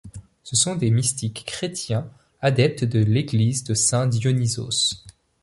Ce sont des mystiques chrétiens, adeptes de l'Église de Saint Dionysos.